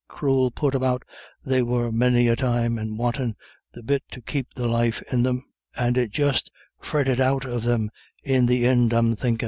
Cruel put about they were many a time, and wantin' the bit to keep the life in thim, and it just fretted out of thim in the ind I'm thinkin'.